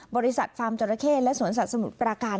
ฟาร์มจราเข้และสวนสัตว์สมุทรปราการ